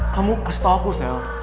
kamu kasih tahu aku sel